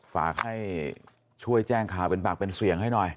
ฝากให้ช่วยแจ้งข่าวเป็นปากเป็นเสียงให้หน่อย